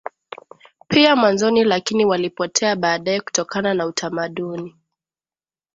pia mwanzoni lakini walipotea baadaye kutokana na utamaduni